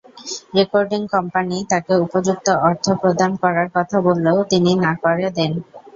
Recording company তাকে উপযুক্ত অর্থ প্রদান করার কথা বললেও, তিনি না করে দেন।